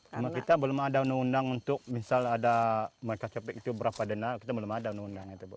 karena kita belum ada undang undang untuk misal ada mereka copik itu berapa dana kita belum ada undang undang itu bu